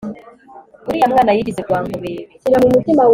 uriya mwana yigize rwankubebe